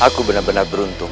aku benar benar beruntung